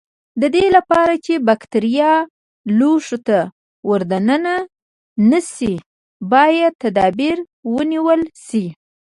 د دې لپاره چې بکټریا لوښي ته ور دننه نشي باید تدابیر ونیول شي.